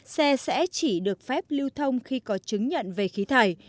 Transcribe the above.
xe sẽ chỉ được phép lưu thông khi có chứng nhận về khí thải